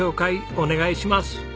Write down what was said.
お願いします。